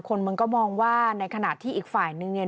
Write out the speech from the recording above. มันก็มองว่าในขณะที่อีกฝ่ายนึงเนี่ย